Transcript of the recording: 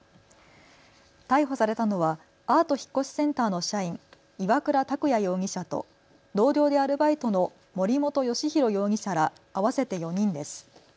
逮捕されたのはアート引越センターの社員、岩倉拓弥容疑者と同僚でアルバイトの森本義洋容疑者ら合わせて４人です。